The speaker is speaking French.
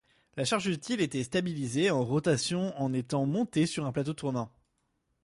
La charge utile était stabilisée en rotation en étant montée sur un plateau tournant.